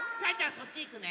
そっちいくね！